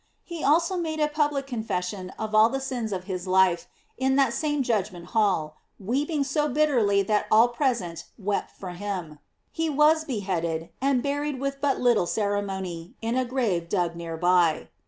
He also made a public confession of all the sins of his life in that same judgment hall, weeping so bitterly that all present wept with him. He was beheaded, and buried with but little cere mony, in a grave dug near by.